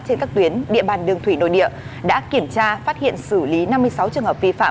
trên các tuyến địa bàn đường thủy nội địa đã kiểm tra phát hiện xử lý năm mươi sáu trường hợp vi phạm